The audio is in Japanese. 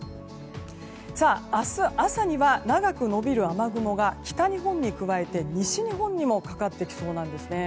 明日朝には長く延びる雨雲が北日本に加えて西日本にもかかってきそうなんです。